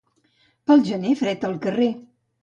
Pel gener, fred al carrer.